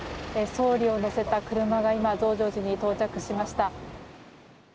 総理を乗せた車が今、増上寺に到着しました。